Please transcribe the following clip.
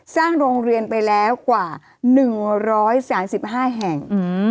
สร้างโรงเรียนไปแล้วกว่า๑๓๕แห่ง